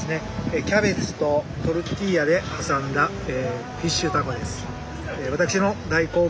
キャベツとトルティーヤで挟んだフィッシュタコです。